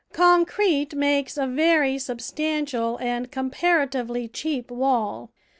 Concrete makes a very substantial and com paratively cheap wall.